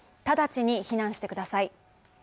直ちに避難してください。